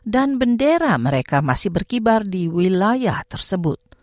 dan bendera mereka masih berkibar di wilayah tersebut